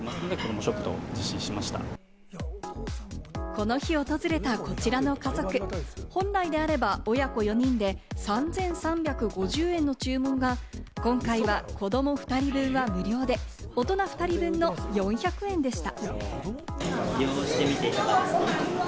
この日、訪れたこちらの家族、本来であれば、親子４人で３３５０円の注文が今回は子ども２人分は無料で、大人２人分の４００円でした。